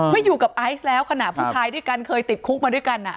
ไม่อยู่กับไอซ์แล้วขณะผู้ชายด้วยกันเคยติดคุกมาด้วยกัน